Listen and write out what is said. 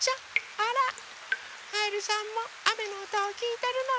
あらカエルさんもあめのおとをきいてるのね。